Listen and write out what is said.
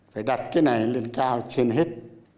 phải đặt cái này lên cao trên hết